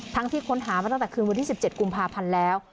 ที่ค้นหามาตั้งแต่คืนวันที่๑๗กุมภาพันธ์แล้ว